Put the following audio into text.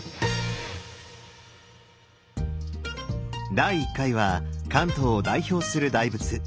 第１回は関東を代表する大仏